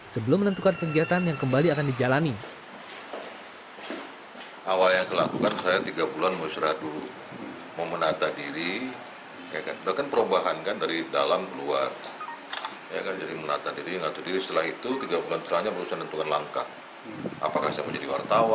sebelum menentukan kegiatan yang kembali akan dijalani